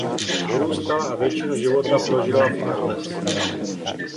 Vyrůstala a většinu života prožila v Arles.